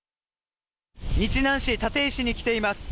日南市たていしに来ています。